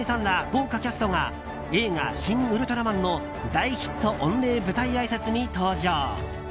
豪華キャストが映画「シン・ウルトラマン」の大ヒット御礼舞台あいさつに登場。